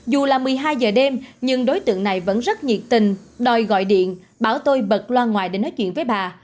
dù là một mươi hai giờ đêm nhưng đối tượng này vẫn rất nhiệt tình đòi gọi điện bảo tôi bật loa ngoài để nói chuyện với bà